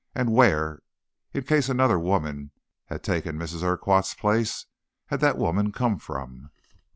And where, in case another woman had taken Mrs. Urquhart's place, had that woman come from?